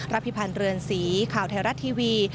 พิพันธ์เรือนสีข่าวไทยรัฐทีวี